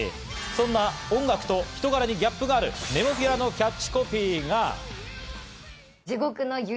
そんな音楽と人柄にギャップがある、ＮＥＭＯＰＨＩＬＡのキャッチコピーが。